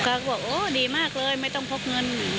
ลูกค้าก็บอกดีมากเลยไม่ต้องพบเงิน